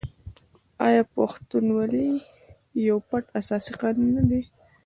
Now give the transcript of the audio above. آیا پښتونولي یو پټ اساسي قانون نه دی؟